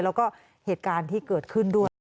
แล้วก็เหตุการณ์ที่เกิดขึ้นด้วย